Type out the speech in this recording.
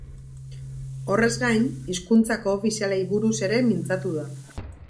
Horrez gain, hizkuntza koofizialei buruz ere mintzatu da.